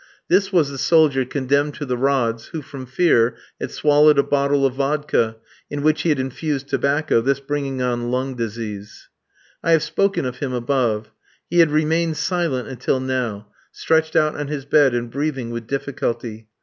This was the soldier condemned to the rods, who, from fear, had swallowed a bottle of vodka, in which he had infused tobacco, this bringing on lung disease. I have spoken of him above. He had remained silent until now, stretched out on his bed, and breathing with difficulty.